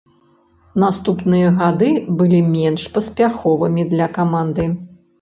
Наступныя гады былі менш паспяховымі для каманды.